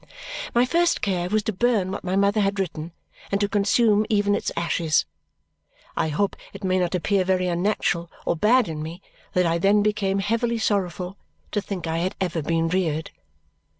My first care was to burn what my mother had written and to consume even its ashes. I hope it may not appear very unnatural or bad in me that I then became heavily sorrowful to think I had ever been reared.